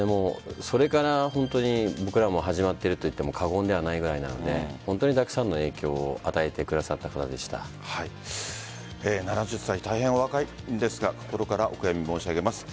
それから本当に僕らも始まっているといっても過言ではないくらいなのでたくさんの影響を７０歳大変お若いんですが心からお悔やみ申し上げます。